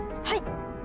はい！